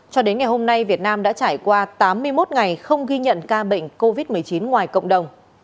cho đến ngày hôm nay việt nam đã trải qua tám mươi một ngày không ghi nhận ca bệnh covid một mươi chín ngoài cộng đồng